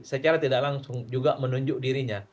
secara tidak langsung juga menunjuk dirinya